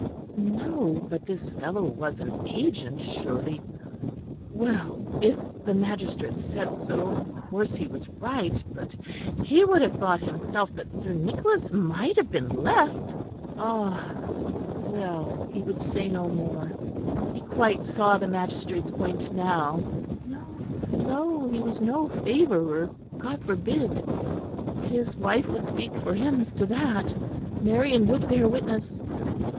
No, but this fellow was an agent, surely. Well, if the magistrate said so, of course he was right; but he would have thought himself that Sir Nicholas might have been left ah! Well, he would say no more. He quite saw the magistrate's point now. No, no, he was no favourer; God forbid! his wife would speak for him as to that; Marion would bear witness.